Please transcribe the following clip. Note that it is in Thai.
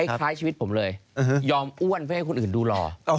คล้ายชีวิตผมเลยยอมอ้วนเพื่อให้คนอื่นดูรอ